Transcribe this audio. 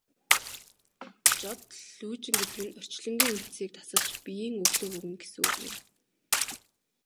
Жод лүйжин гэдэг нь орчлонгийн үндсийг тасалж биеийн өглөг өгнө гэсэн үг юм.